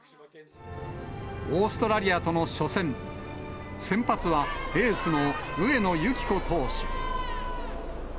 オーストラリアとの初戦、先発はエースの上野由岐子投手。